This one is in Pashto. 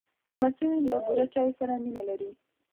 لمسی له بوره چای سره مینه لري.